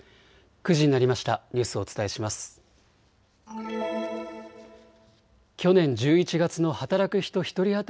９時になりました。